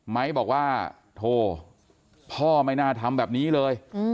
ไม้บอกว่าโทพ่อไม่น่าทำแบบนี้เลย